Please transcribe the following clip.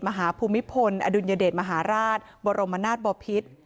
มหาภูมิพลอดุญเด็จมหาราชบรมนาศบอพิษ